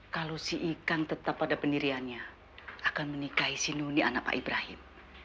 kalau si ikang tetap pada pendiriannya akan menikahi si nuni anak pak ibrahim